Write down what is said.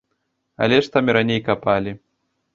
Але ж там і раней капалі.